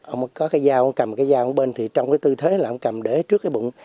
ông có cái dao cầm cái dao bên thì trong cái tư thế là ông cầm để trước cái bụng